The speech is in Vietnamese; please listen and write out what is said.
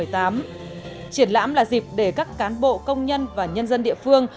triển lãm là dịp để các cán bộ công nhân và nhân dân địa phương